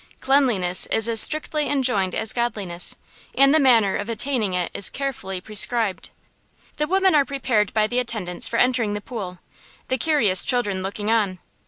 Cleanliness is as strictly enjoined as godliness, and the manner of attaining it is carefully prescribed. The women are prepared by the attendants for entering the pool, the curious children looking on.